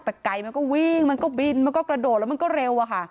แต่ไก่มันก็วิ่งมันก็บินมันก็กระโดดแล้วมันก็เร็วอะค่ะ